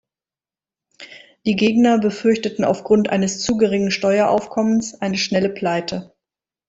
Die Gegner befürchteten aufgrund eines zu geringen Steueraufkommens eine schnelle Pleite.